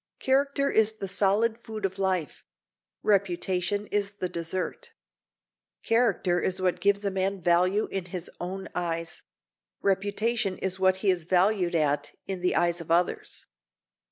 Character is the solid food of life; reputation is the dessert. Character is what gives a man value in his own eyes; reputation is what he is valued at in the eyes of others.